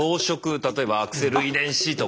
例えばアクセル遺伝子とか。